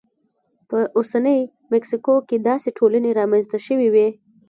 په اوسنۍ مکسیکو کې داسې ټولنې رامنځته شوې وې